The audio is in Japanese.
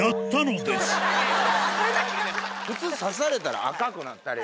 普通刺されたら赤くなったり。